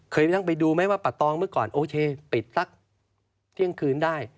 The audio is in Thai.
เคยนั่งไปดูไหมว่าปะตองเมื่อก่อนโอเคปิดสักเที่ยงคืนได้